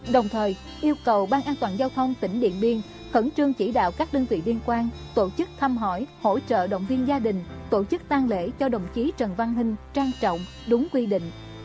đồng thời yêu cầu ban an toàn giao thông tỉnh điện biên khẩn trương chỉ đạo các đơn vị liên quan tổ chức thăm hỏi hỗ trợ động viên gia đình tổ chức tan lễ cho đồng chí trần văn hinh trang trọng đúng quy định